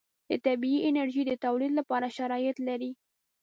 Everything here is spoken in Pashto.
د طبعي انرژي د تولید لپاره شرایط لري.